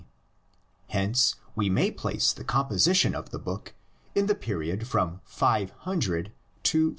Hence we may place the composition of the book in the period from 500 to 444.